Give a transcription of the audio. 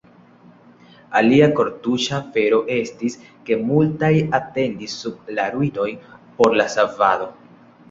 Alia kortuŝa afero estis, ke multaj atendis sub la ruinoj por la savado.